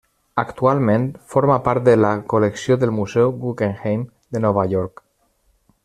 Actualment forma part de la col·lecció del Museu Guggenheim de Nova York.